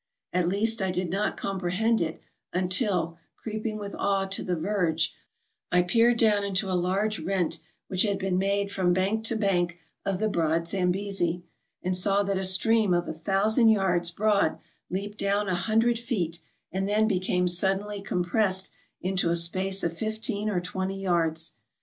At least I did not compre hend it until, creeping with awe to the verge, I peered down AFRICA 387 into a large rent which had been made from bank to bank of the broad Zambesi, and saw that a stream of a thousand yards broad leaped down a hundred feet, and then became suddenly compressed into a space of fifteen or twenty yards.